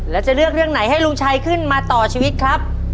แล้วจะเลือกเรื่องไหนให้ลุงชัยขึ้นมาต่อชีวิตครับ